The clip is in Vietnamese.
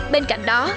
bên cạnh đó